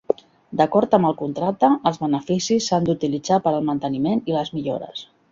D'acord amb el contracte, els beneficis s'han d'utilitzar per al manteniment i les millores.